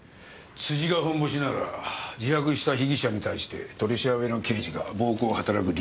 辻が本ボシなら自白した被疑者に対して取り調べの刑事が暴行をはたらく理由はない。